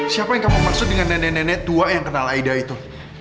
siapa yang kamu maksud dengan nenek nenek tua yang kenal aida itu